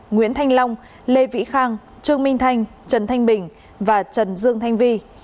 nguyễn thanh long lê vĩ khang trương minh thanh trần thanh bình và trần dương thanh vi